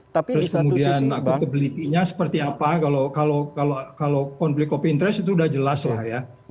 terus kemudian aku kebelikinya seperti apa kalau konflik copy interest itu udah jelas lah ya